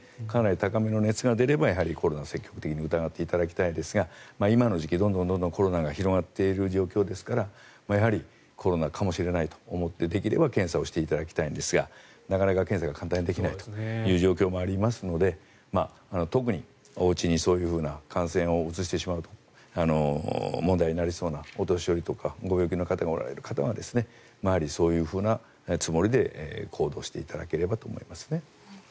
かなり高めの熱が出ればコロナを積極的に疑っていただきたいですが今の時期、どんどんコロナが広がっている状況ですからやはりコロナかもしれないと思ってできれば検査をしていただきたいんですがなかなか検査が簡単にできないという状況もありますので特におうちにそういう感染をうつしてしまうと問題になりそうなお年寄りとかご病気の方がおられる方はそういうふうなつもりで行動していただければと思いますね。